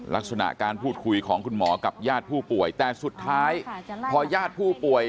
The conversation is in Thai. ลักษณะการพูดคุยของคุณหมอกับญาติผู้ป่วยแต่สุดท้ายพอญาติผู้ป่วย